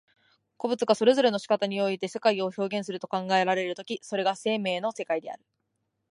個物がそれぞれの仕方において世界を表現すると考えられる時、それが生命の世界である。